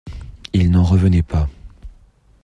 Il n'en revenait pas.